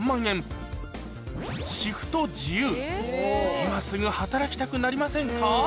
今すぐ働きたくなりませんか？